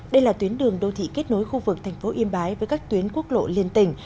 đây là tuyến đường đô thị kết nối khu vực thành phố yên bái với các tuyến quốc lộ liên tỉnh